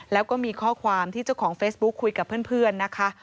แล้วก็มีข้อความที่เจ้าของเฟซบุ๊คคุยกับเพื่อนนะคะ